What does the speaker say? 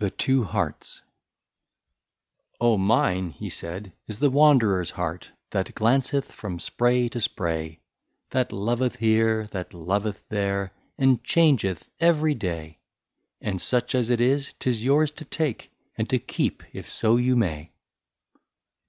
27 THE TWO HEARTS. " Oh mine/' he said, ^*is the wanderer's heart, That glanceth from spray to spray. That loveth here, that loveth there, And changeth every day ; And such as it is, 't is yours to take, To take, and to keep, if you may."